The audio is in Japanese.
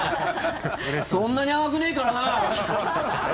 そんなに甘くねえからな！